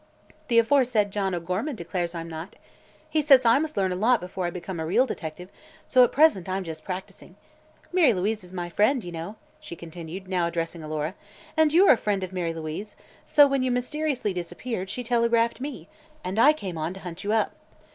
"The aforesaid John O'Gorman declares I'm not. He says I must learn a lot before I become a real detective, so at present I'm just practicing. Mary Louise is my friend, you know," she continued, now addressing Alora, "and you are a friend of Mary Louise; so, when you mysteriously disappeared, she telegraphed me and I came on to hunt you up.